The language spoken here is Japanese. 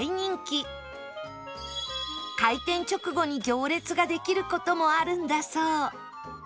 開店直後に行列ができる事もあるんだそう